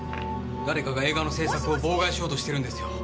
誰かが映画の制作を妨害しようとしてるんですよ。